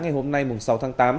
ngày hôm nay sáu tháng tám